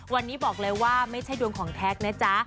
วันนี้บอกเลยว่าไม่ใช่ดวงของแท็กนะจ๊ะ